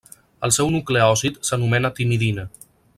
El seu nucleòsid s'anomena timidina.